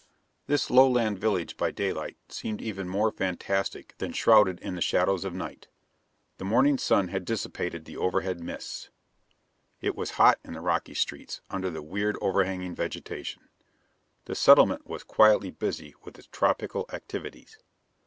This Lowland village by daylight seemed even more fantastic than shrouded in the shadows of night. The morning sun had dissipated the overhead mists. It was hot in the rocky streets under the weird overhanging vegetation. The settlement was quietly busy with its tropical activities.